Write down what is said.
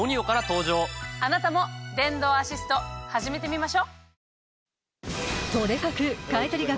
あなたも電動アシスト始めてみましょ！